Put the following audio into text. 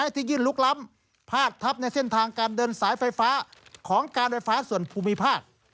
ที่ยื่นลุกล้ำพาดทับในเส้นทางการเดินสายไฟฟ้าของการไฟฟ้าส่วนภูมิภาค